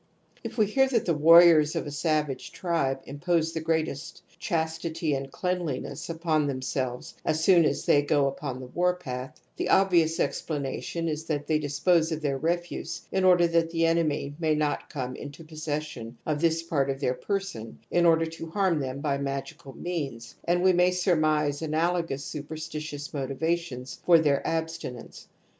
If we hear that the warriors of a savage tribe impose the greatest chastity and cleanliness upon them selves as soon as they go upon the war path *^, the obvious explanation is that they dispose of «• FrAzer» Taboo and the PerUa of the Soul, p, 158. j THE OMNIPOTENCE OF THOUGHT 168 their refuse in order that the enemy may not come into possession of this part of their person in order to harm them by magical means, and we may surmise analogous superstitious moti vations for their abstinence.